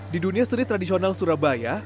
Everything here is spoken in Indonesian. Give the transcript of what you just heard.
di dunia seni tradisional surabaya